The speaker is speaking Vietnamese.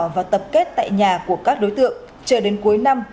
và tập kết tại nhà của các đối tượng chờ đến cuối năm